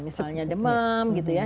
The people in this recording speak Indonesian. misalnya demam gitu ya